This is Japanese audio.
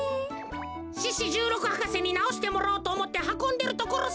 獅子じゅうろく博士になおしてもらおうとおもってはこんでるところさ。